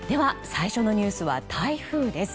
最初のニュースは台風です。